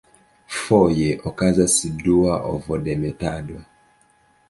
Foje okazas dua ovodemetado.